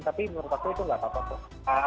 tapi menurut aku itu nggak apa apa